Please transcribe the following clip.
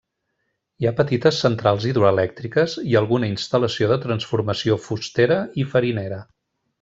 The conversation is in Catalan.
Hi ha petites centrals hidroelèctriques i alguna instal·lació de transformació fustera i farinera.